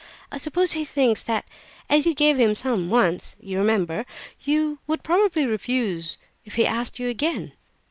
I suppose he thinks that as you gave him some once (you remember), you would probably refuse if he asked you again."